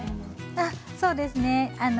そうですね